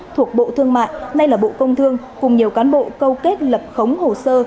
thuộc bộ thương mại nay là bộ công thương cùng nhiều cán bộ câu kết lập khống hồ sơ